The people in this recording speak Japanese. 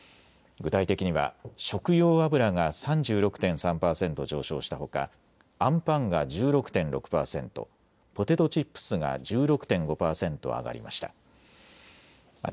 具体的には食用油が３６．３％上昇したほか、あんパンが１６．６％、ポテトチップスが１６．５％上がりました。